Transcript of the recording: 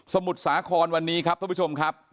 มุทรสาครวันนี้ครับท่านผู้ชมครับ